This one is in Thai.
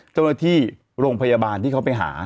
เจ้าหน้าที่โรงพยาบาลที่เขาไปหา